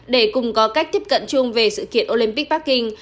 để cùng có cách tiếp cận chung về sự kiện olympic bắc kinh